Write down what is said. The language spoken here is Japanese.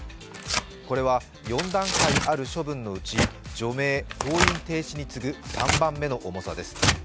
これは４段階ある処分のうち除名、登院停止に次ぐ３番目の重さです。